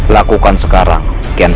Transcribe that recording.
kau harus bisa mengendalikan air